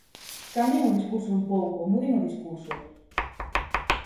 Cambien o discurso un pouco, muden o discurso.